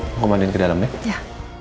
mau mandiin ke dalam ya